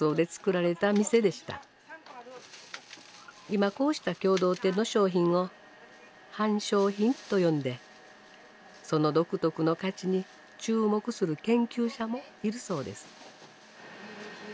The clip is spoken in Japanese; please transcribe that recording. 今こうした共同店の商品を「半商品」と呼んでその独特の価値に注目する研究者もいるそうです。